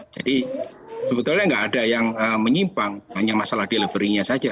jadi sebetulnya enggak ada yang menyimpang hanya masalah delivery nya saja